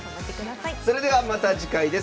それではまた次回です。